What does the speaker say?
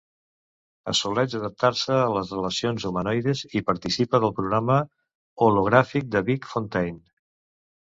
Assoleix adaptar-se a les relacions humanoides, i participa del programa hologràfic de Vic Fontaine.